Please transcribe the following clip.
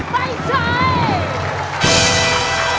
ไม่ใช่